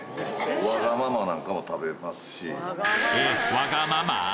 わがまま？